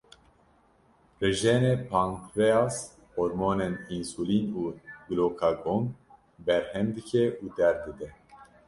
Rijenê pankreas, hormonên însulîn û glukagon berhem dike û der dide.